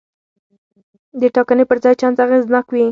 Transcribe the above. د ټاکنې پر ځای چانس اغېزناک وي.